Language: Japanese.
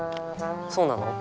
そうなの？